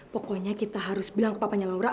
pokoknya kita harus bilang ke papanya laura